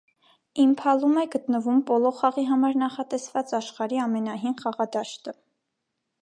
Իմպհալում է գտնվում պոլո խաղի համար նախատեսված աշխարհի ամենահին խաղադաշտը։